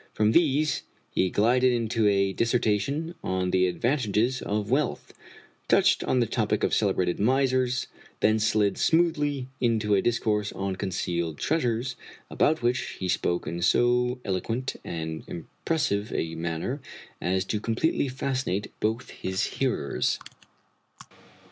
From these he glided into a dissertation on the advantages of wealth, touched on the topic of celebrated misers, thence slid smoothly into a discourse on concealed treasures, about which he spoke in so eloquent and impressive a manner as to completely fascinate both his hearers.